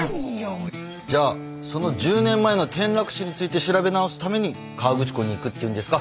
じゃあその１０年前の転落死について調べ直すために河口湖に行くっていうんですか？